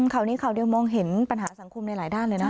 ข่าวนี้ข่าวเดียวมองเห็นปัญหาสังคมในหลายด้านเลยนะ